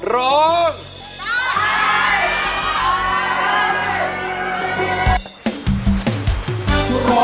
ร้อง